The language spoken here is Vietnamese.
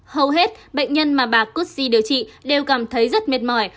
hầu hết bệnh nhân mà bà kutsi điều trị đều cảm thấy rất mệt mỏi